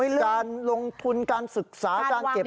การลงทุนการศึกษาการเก็บ